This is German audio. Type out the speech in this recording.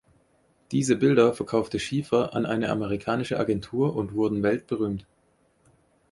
Diese Bilder verkaufte Schiefer an eine amerikanische Agentur und wurden weltberühmt.